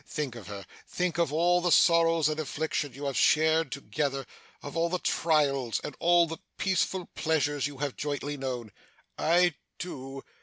Think of her; think of all the sorrows and afflictions you have shared together; of all the trials, and all the peaceful pleasures, you have jointly known.' 'I do.